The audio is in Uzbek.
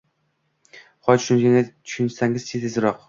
— Hoy, tushsangiz-chi, tezroq!